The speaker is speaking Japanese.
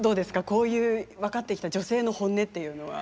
こういう分かってきた女性の本音っていうのは。